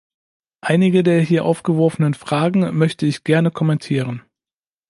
Einige der hier aufgeworfenen Fragen möchte ich gerne kommentieren.